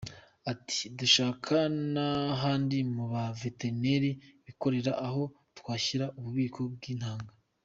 Ati “Dushaka n’ahandi mu ba veterineri bikorera aho twashyira ububiko bw’intanga.